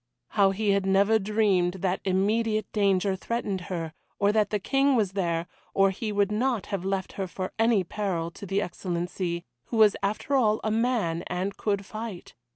How he had never dreamed that immediate danger threatened her, or that the King was there, or he would not have left her for any peril to the Excellency, who was after all a man and could fight.